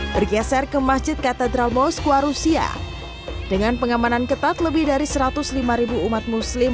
bergeser ke masjid katedral moskwa rusia dengan pengamanan ketat lebih dari satu ratus lima ribu umat muslim